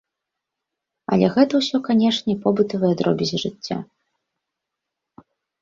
Але гэта ўсё канешне побытавыя дробязі жыцця.